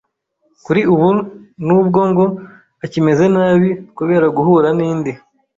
Kuri ubu nubwo ngo akimeze nabi kubera guhura n’indi